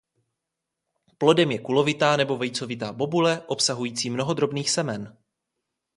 Plodem je kulovitá nebo vejcovitá bobule obsahující mnoho drobných semen.